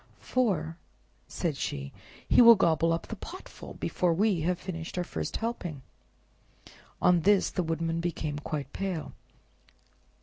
"For," said she, "he will gobble up the potful before we have finished our first helping." On this the Woodman became quite pale.